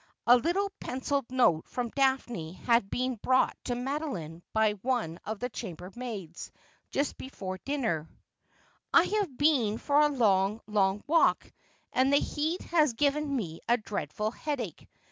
A little pencilled note from Daphne had been brought to Madeline by one of the chambermaids, just before dinner :' I have been for a long, long walk, and the heat has given me a dreadful headache.